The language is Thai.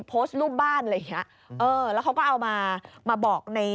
โปรดติดตามต่อไป